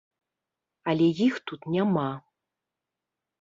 Але іх тут няма.